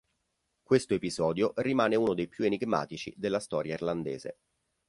Questo episodio rimane uno dei più enigmatici della storia irlandese.